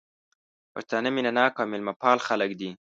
پښتانه مينه ناک او ميلمه پال خلک دي